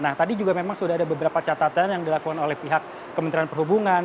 nah tadi juga memang sudah ada beberapa catatan yang dilakukan oleh pihak kementerian perhubungan